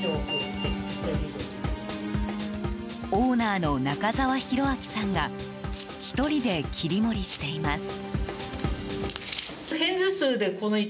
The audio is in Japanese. オーナーの中沢宏昭さんが１人で切り盛りしています。